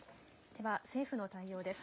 では、政府の対応です。